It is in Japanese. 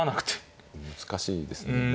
難しいですね。